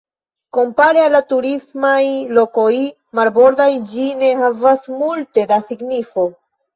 Kompare al la turismaj lokoj marbordaj ĝi ne havas multe da signifo.